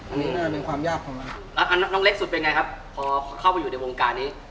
อันนี้น่ะเป็นความยากของเรา